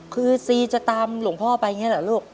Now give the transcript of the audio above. คือซีจะตามหลวงพ่อไปอย่างนี้เหรอลูก